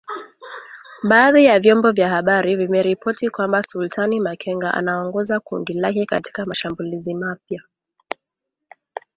Baadhi ya vyombo vya habari vimeripoti kwamba Sultani Makenga anaongoza kundi lake katika mashambulizi mapya.